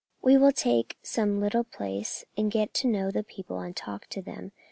We will take some little place, and get to know the people and talk to them.